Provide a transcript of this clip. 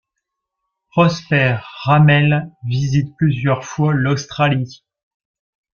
Prosper Ramel visite plusieurs fois l'Australie.